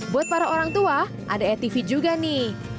buat para orang tua ada atv juga nih